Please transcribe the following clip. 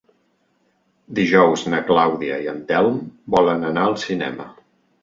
Dijous na Clàudia i en Telm volen anar al cinema.